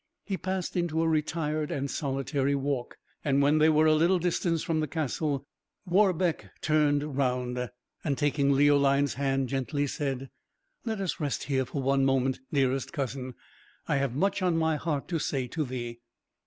He passed into a retired and solitary walk, and when they were a little distance from the castle, Warbeck turned round, and taking Leoline's hand, gently said: "Let us rest here for one moment, dearest cousin; I have much on my heart to say to thee."